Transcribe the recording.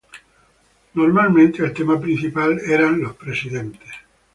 Usualmente el tema principal eran los presidentes.